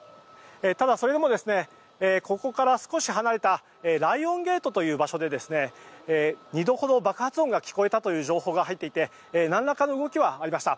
ただ、それでもここから少し離れたライオンゲートという場所で２度ほど爆発音が聞こえたという情報が入っていて何らかの動きはありました。